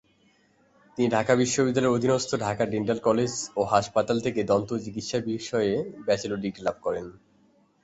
তিনি ঢাকা বিশ্ববিদ্যালয়ের অধীনস্থ ঢাকা ডেন্টাল কলেজ ও হাসপাতাল থেকে দন্ত চিকিৎসা বিষয়ে ব্যাচেলর ডিগ্রি লাভ করেন।